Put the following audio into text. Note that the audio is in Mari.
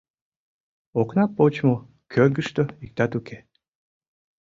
Окна почмо, кӧргыштӧ иктат уке.